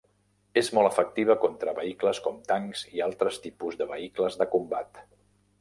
És molt efectiva contra vehicles com tancs i altres tipus de vehicles de combat.